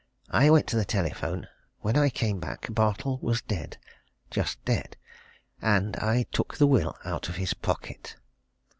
I went to the telephone when I came back, Bartle was dead just dead. And I took the will out of his pocket."